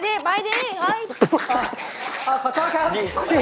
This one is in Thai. เป็นหวังหรือครับ